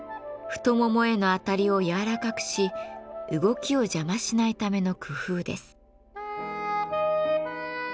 太ももへの当たりを柔らかくし動きを邪魔しないための工夫です。